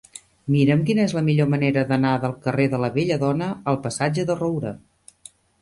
Mira'm quina és la millor manera d'anar del carrer de la Belladona al passatge de Roura.